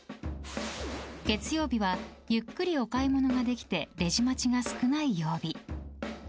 月曜日はゆっくりお買い物ができてレジ待ちが少ない曜日。